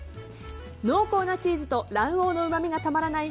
濃厚なチーズと卵黄のうまみがたまらない